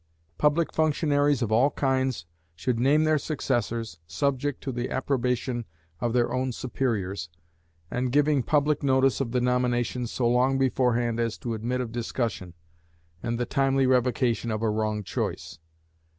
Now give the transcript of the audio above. Public functionaries of all kinds should name their successors, subject to the approbation of their own superiors, and giving public notice of the nomination so long beforehand as to admit of discussion, and the timely revocation of a wrong choice.